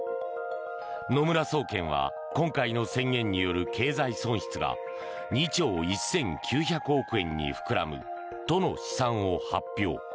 野村総研は今回の宣言による経済損失が２兆１９００億円に膨らむとの試算を発表。